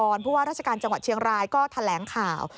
เพราะว่าราชการจังหวัดเชียงรายก็แถลงข่าว